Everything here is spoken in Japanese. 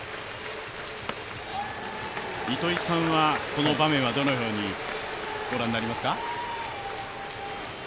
糸井さんはこの場面はどのように御覧になりますか？